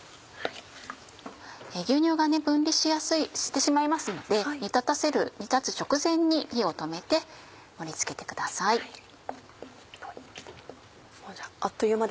牛乳が分離してしまいますので煮立つ直前に火を止めて盛り付けてください。